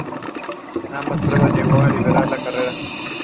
Rock drummer Neil Peart uses crotales as part of his basic drum kit.